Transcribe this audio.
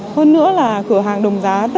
hơn nữa là cửa hàng đồng giá